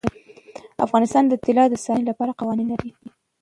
افغانستان د طلا د ساتنې لپاره قوانین لري.